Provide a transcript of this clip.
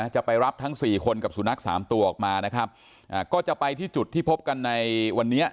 จะไปรับทั้งสี่คนกับสุนัขสามตัวออกมานะครับอ่าก็จะไปที่จุดที่พบกันในวันนี้